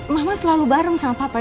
mama selalu bareng sama papa